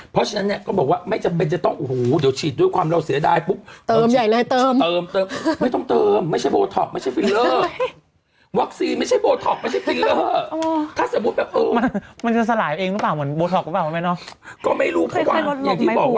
เพราะฉะนั้นเนี่ยก็บอกว่าไม่จำเป็นต้อง